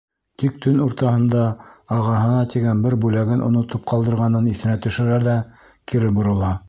Тик төн уртаһында ағаһына тигән бер бүләген онотоп ҡалдырғанын иҫенә төшөрә лә кире борола.